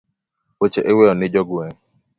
Weche iweyo ji jogweng'.